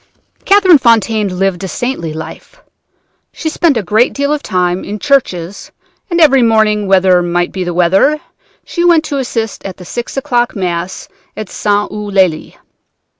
"Catherine Fontaine lived a saintly life. She spent a great deal of time in churches, and every morning, whatever might be the weather, she went to assist at the six o'clock Mass at St. Eulalie.